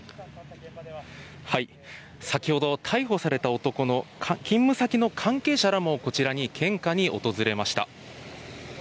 先ほど逮捕された男の勤務先の関係者らも、こちらに献花に訪れました。